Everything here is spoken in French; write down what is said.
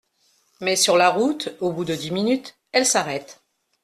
Mais sur la route, au bout de dix minutes, elle s’arrête.